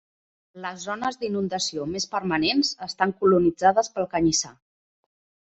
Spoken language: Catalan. Les zones d’inundació més permanents estan colonitzades pel canyissar.